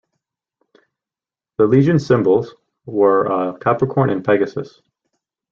The legion's symbols were a Capricorn and Pegasus.